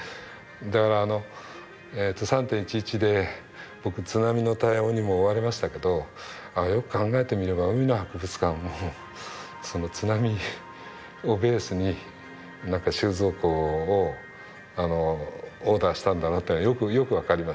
だからあの３．１１で僕津波の対応にも追われましたけどよく考えてみれば海の博物館も津波をベースに収蔵庫をオーダーしたんだなっていうのがよく分かります。